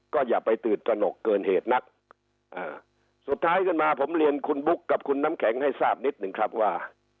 ก็อย่าไปตื่นตระหนกเกินเหตุนักอ่าสุดท้ายขึ้นมาผมเรียนคุณบุ๊คกับคุณน้ำแข็งให้ทราบนิดหนึ่งครับว่า